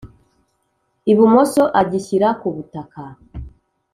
ibumoso agishyira ku butaka.